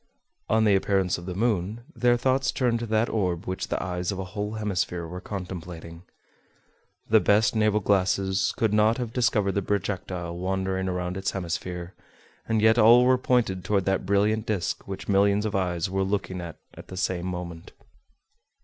On the appearance of the moon, their thoughts turned to that orb which the eyes of a whole hemisphere were contemplating. The best naval glasses could not have discovered the projectile wandering around its hemisphere, and yet all were pointed toward that brilliant disc which millions of eyes were looking at at the same moment.